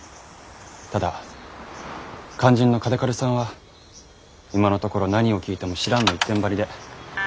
ただ肝心の嘉手刈さんは今のところ何を聞いても「知らん」の一点張りで。